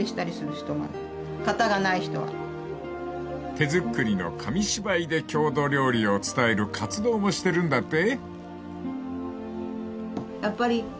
［手作りの紙芝居で郷土料理を伝える活動もしてるんだって？］